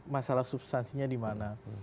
masalah substansinya di mana